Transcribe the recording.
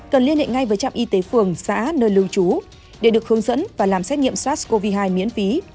cần liên hệ ngay với trạm y tế phường xã nơi lưu trú để được hướng dẫn và làm xét nghiệm sars cov hai miễn phí